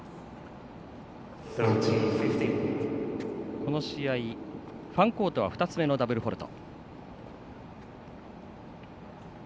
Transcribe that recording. この試合、ファンコートは２つ目のダブルフォールト。